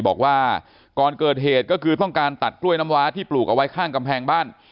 บอกว่าก่อนเกิดเหตุก็คือต้องการตัดกล้วยน้ำว้าที่ปลูกเอาไว้ข้างกำแพงบ้าน